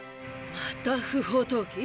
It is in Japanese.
また不法投棄？